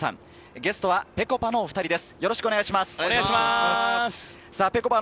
ゲストはぺこぱのお２人です。